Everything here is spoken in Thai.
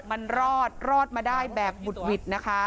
มันรอดรอดมาได้แบบบุดหวิดนะคะ